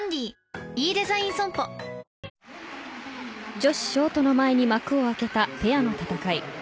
女子ショートの前に幕を開けたペアの戦い。